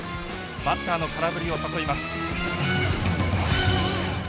バッターの空振りを誘います。